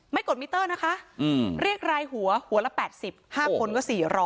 กดมิเตอร์นะคะเรียกรายหัวหัวละ๘๕คนก็๔๐๐